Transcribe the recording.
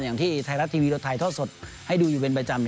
อย่างที่ไทยรัฐทีวีเราถ่ายทอดสดให้ดูอยู่เป็นประจำ